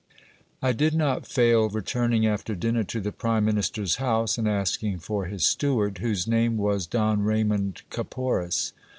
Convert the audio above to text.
I did not fail returning after dinner to the prime minister's house, and asking for his steward, whose name was Don Raymond Caporis.